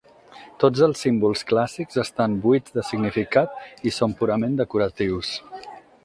Tots els símbols clàssics estan buits de significat i són purament decoratius.